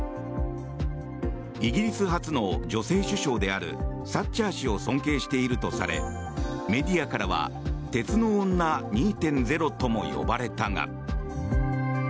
イギリス初の女性首相であるサッチャー氏を尊敬しているとされメディアからは鉄の女２．０とも呼ばれたが。